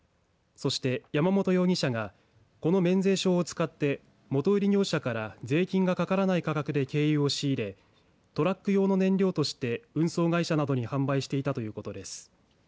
そして、山本容疑者がこの免税証を使って元売り業者から税金がかからない価格で軽油を仕入れトラック用の燃料として運送会社などに販売していたということです。